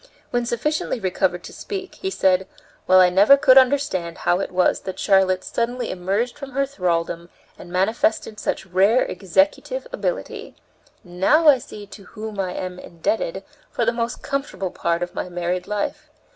When sufficiently recovered to speak, he said: "Well, I never could understand how it was that Charlotte suddenly emerged from her thraldom and manifested such rare executive ability. Now I see to whom I am indebted for the most comfortable part of my married life.